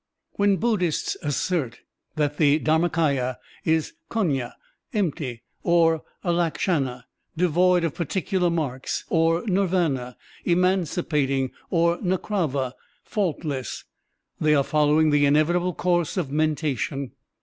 When Buddhists assert that the Dharmakiya is giinya = empty, or alakshana = devoid of par ticular marks, or nirvana = emancipating, or nS^grava = faultless, they are following the inevi table course of mentation.